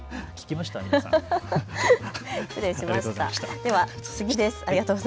では次です。